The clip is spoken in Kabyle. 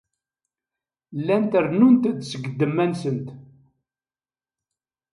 Llant rennunt-d seg ddemma-nsent.